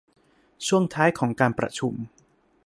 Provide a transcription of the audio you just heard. ช่วงท้ายของการประชุม